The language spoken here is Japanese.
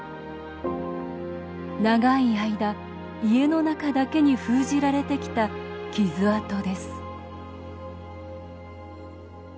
長い間、家の中だけに封じられてきた傷痕です